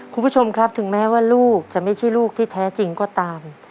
คุณผู้ชมครับถึงแม้ว่าลูกจะไม่ใช่ลูกที่แท้จริงก็ตาม